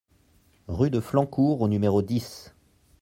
Rue de Flancourt au numéro dix